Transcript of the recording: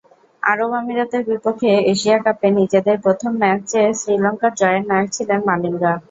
আরব আমিরাতের বিপক্ষে এশিয়া কাপে নিজেদের প্রথম ম্যাচে শ্রীলঙ্কার জয়ের নায়ক ছিলেন মালিঙ্গা।